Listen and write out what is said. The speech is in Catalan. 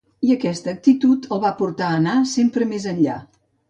I aquesta actitud el va portar a anar sempre més enllà.